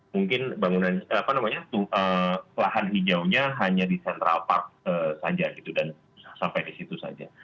mungkin bangunan lahan hijaunya hanya di central park saja gitu dan sampai di situ saja